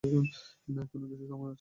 না এখনো কিছু সময় আছে।